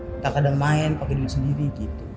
mungkin kadang main pakai duit sendiri gitu